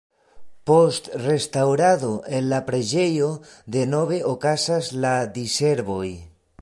Post restaŭrado en la preĝejo denove okazas la di-servoj.